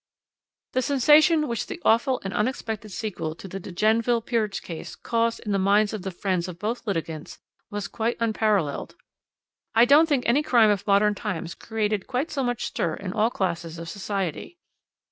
"The sensation which the awful and unexpected sequel to the De Genneville peerage case caused in the minds of the friends of both litigants was quite unparalleled. I don't think any crime of modern times created quite so much stir in all classes of society.